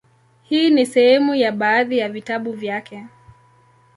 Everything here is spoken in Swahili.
Hii ni sehemu ya baadhi ya vitabu vyake;